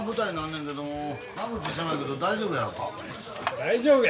大丈夫や。